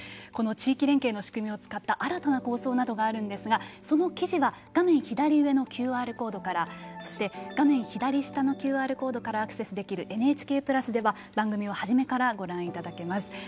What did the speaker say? この地域連携の仕組みを使った新たな構想などがあるんですがその記事は画面左上のＱＲコードからそして画面左下のＱＲコードからアクセスできる「ＮＨＫプラス」では番組を初めからご覧いただけます。